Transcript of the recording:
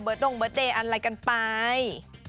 เบิร์ตลงเบิร์ตเดย์อันอะไรกันไป